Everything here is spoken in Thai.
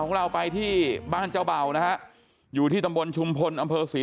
ของเราไปที่บ้านเจ้าเบานะฮะอยู่ที่ตำบลชุมพลอำเภอศรี